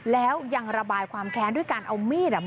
แล้วยังระบายความแค้นด้วยการเอามีด